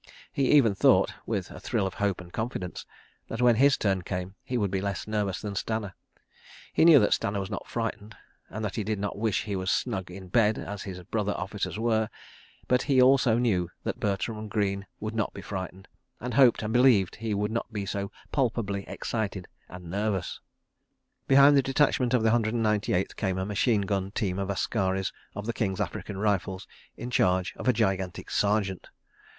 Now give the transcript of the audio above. He even thought, with a thrill of hope and confidence, that when his turn came he would be less nervous than Stanner. He knew that Stanner was not frightened, and that he did not wish he was snug in bed as his brother officers were, but he also knew that Bertram Greene would not be frightened, and hoped and believed he would not be so palpably excited and nervous. ... Behind the detachment of the Hundred and Ninety Eighth came a machine gun team of askaris of the King's African Rifles, in charge of a gigantic Sergeant.